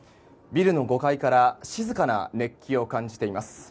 ビルの５階から静かな熱気を感じています。